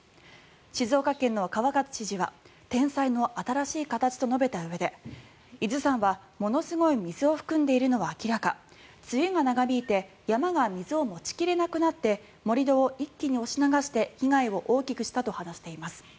静岡県の川勝知事は天災の新しい形と述べたうえで伊豆山はものすごい水を含んでいるのは明らか梅雨が長引いて山が水を持ち切れなくなって盛り土を一気に押し流して被害を大きくしたと話しています。